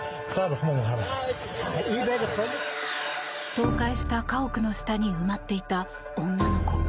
倒壊した家屋の下に埋まっていた女の子。